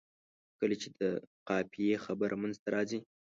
کله چې د قافیې خبره منځته راځي.